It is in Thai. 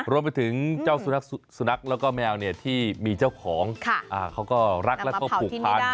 รวมไปถึงเจ้าสุนัขแล้วก็แมวที่มีเจ้าของนี่ครับนำมาเผาที่นี่ชัด